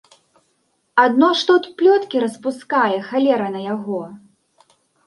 Адно што от плёткі распускае, халера на яго.